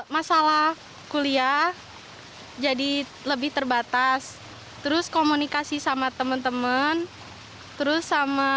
masalah kuliah jadi lebih terbatas terus komunikasi sama teman teman terus sama